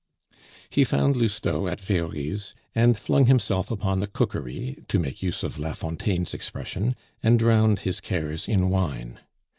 He found Lousteau at Very's, and flung himself upon the cookery (to make use of Lafontaine's expression), and drowned his cares in wine.